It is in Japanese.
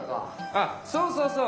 あっそうそうそう！